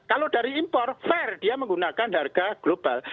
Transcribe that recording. kalau dari impor fair dia menggunakan harga global